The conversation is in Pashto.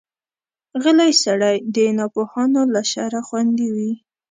غلی سړی، د ناپوهانو له شره خوندي وي.